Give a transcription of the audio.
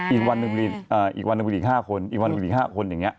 อีกวันนึงอีก๕คนอีกวันนึงอีก๕คนอย่างนี้